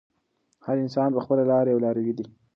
هر انسان په خپله لاره یو لاروی دی.